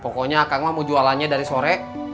pokoknya akang mah mau jualannya dari sore